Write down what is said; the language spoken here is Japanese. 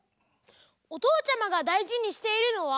おとうちゃまがだいじにしているのは？